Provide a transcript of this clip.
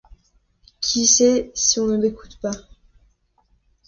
Qui sait si on ne nous écoute pas !